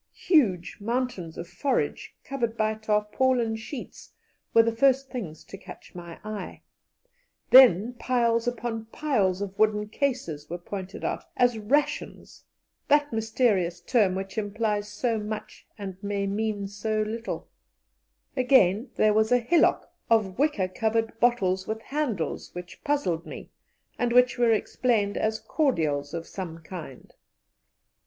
Huge mountains of forage covered by tarpaulin sheets were the first things to catch my eye; then piles upon piles of wooden cases were pointed out as "rations" that mysterious term which implies so much and may mean so little; again, there was a hillock of wicker covered bottles with handles which puzzled me, and which were explained as "cordials" of some kind.